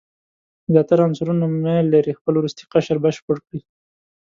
زیاتره عنصرونه میل لري خپل وروستی قشر بشپړ کړي.